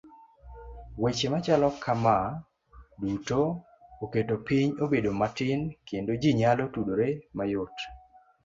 Weche machalo kama duto oketo piny obedo matin kendo ji nyalo tudore mayot.